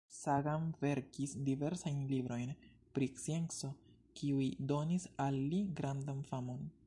Sagan verkis diversajn librojn, pri scienco, kiuj donis al li grandan famon.